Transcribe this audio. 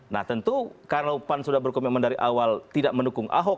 nah tentu karena pan sudah berkomitmen dari awal tidak mendukung ahok